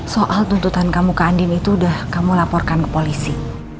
soal tuntutan kamu ke andin itu sudah kamu laporkan ke polisi